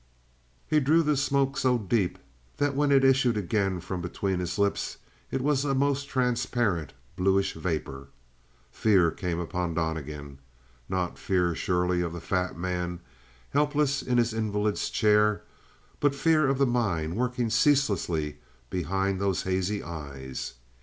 He drew the smoke so deep that when it issued again from between his lips it was a most transparent, bluish vapor. Fear came upon Donnegan. Not fear, surely, of the fat man, helpless in his invalid's chair, but fear of the mind working ceaselessly behind those hazy eyes.